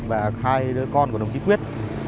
và hai đứa con của đồng chí quyết